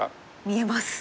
見えます。